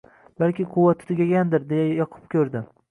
Balki quvvati tugagandir, deya yoqib ko`rdi